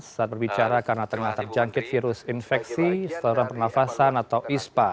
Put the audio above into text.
saat berbicara karena tengah terjangkit virus infeksi saluran pernafasan atau ispa